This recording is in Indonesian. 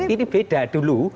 ini beda dulu